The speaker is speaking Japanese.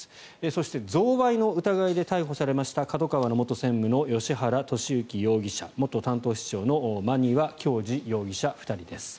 そして、贈賄の疑いで逮捕されたＫＡＤＯＫＡＷＡの元専務の芳原世幸容疑者元担当室長の馬庭教二容疑者２人です。